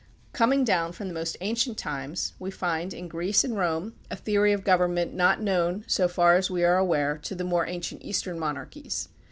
Coming down from the most ancient times we find in Greece and Rome a theory of government not known, so far as we are aware, to the more ancient Eastern monarchies.